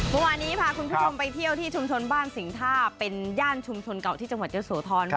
เมื่อวานนี้พาคุณผู้ชมไปเที่ยวที่ชุมชนบ้านสิงท่าเป็นย่านชุมชนเก่าที่จังหวัดเยอะโสธร